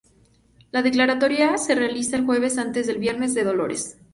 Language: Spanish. La declaratoria se realiza el jueves antes del Viernes de Dolores.